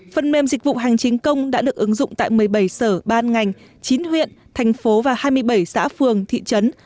phần mềm dịch vụ hành chính công đã được ứng dụng tại một mươi bảy sở ban ngành chín huyện thành phố và hai mươi bảy xã phường thị trấn